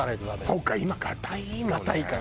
そうか。